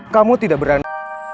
kamu tidak berani